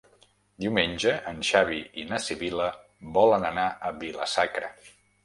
Diumenge en Xavi i na Sibil·la volen anar a Vila-sacra.